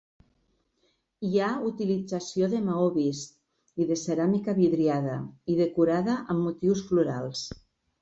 Hi ha utilització de maó vist i de ceràmica vidriada i decorada amb motius florals.